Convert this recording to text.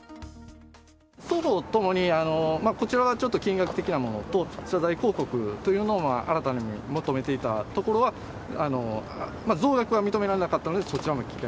双方ともに、こちらはちょっと、金額的なものと、謝罪広告というのを新たに求めていたところは、増額は認められなかったので、そちらの棄却。